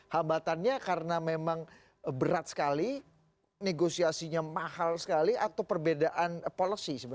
hambatannya karena memang berat sekali negosiasinya mahal sekali atau perbedaan policy sebenarnya